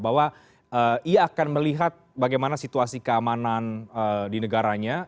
bahwa ia akan melihat bagaimana situasi keamanan di negaranya